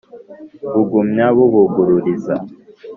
B'ubugumya, b'ubuguririza,